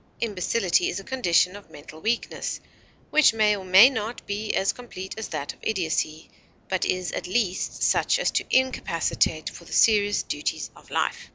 Imbecility is a condition of mental weakness, which may or may not be as complete as that of idiocy, but is at least such as to incapacitate for the serious duties of life.